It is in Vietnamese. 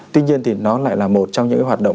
tuy nhiên thì nó lại là một trong những hoạt động